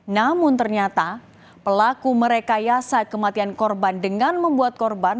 namun ternyata pelaku merekayasa kematian korban dengan membuat korban